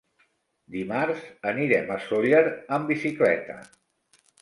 Dimarts anirem a Sóller amb bicicleta.